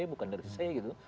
bukan dari si c